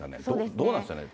どうなんですかね、